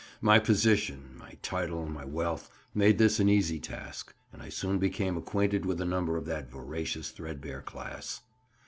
My position, my title, my wealth, made this an easy task, and I soon became acquainted with a number of that voracious, threadbare class.